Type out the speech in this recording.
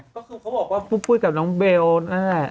ก็คือเขาบอกว่าปุ้มปุ้ยกับน้องเบลนะ